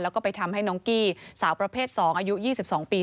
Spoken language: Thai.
แล้วก็ไปทำให้น้องกี้สาวประเภท๒อายุ๒๒ปี